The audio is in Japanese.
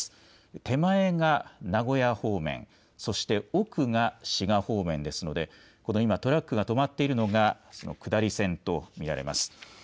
手前が名古屋方面、そして奥が滋賀方面ですので今、トラックが止まっているのが下り線と見られます。